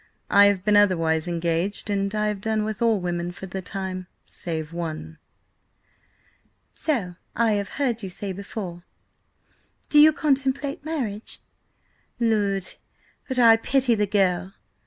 I have been otherwise engaged, and I have done with all women, for the time, save one." "So I have heard you say before. Do you contemplate marriage? Lud! but I pity the girl."